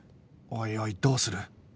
おいおいどうする？